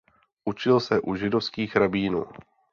Učil se u židovských rabínů.